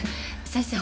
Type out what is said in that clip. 先生